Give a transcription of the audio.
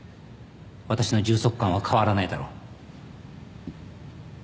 私の充足感は変わらないだろう。